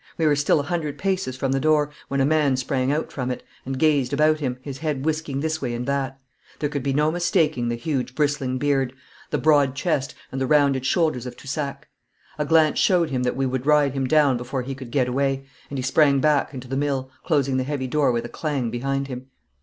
We were still a hundred paces from the door when a man sprang out from it, and gazed about him, his head whisking this way and that. There could be no mistaking the huge bristling beard, the broad chest, and the rounded shoulders of Toussac. A glance showed him that we would ride him down before he could get away, and he sprang back into the mill, closing the heavy door with a clang behind him.